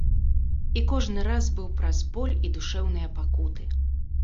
І кожны раз быў праз боль і душэўныя пакуты.